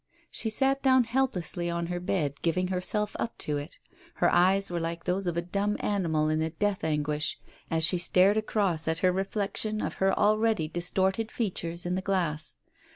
She sat down helplessly on her bed, giving herself up to it. Her eyes were like those of a dumb animal in the death anguish, as she stared across at her reflection of her already distorted features in the glass.